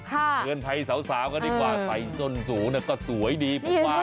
เตือนภัยสาวกันดีกว่าใส่ส้นสูงก็สวยดีผมว่า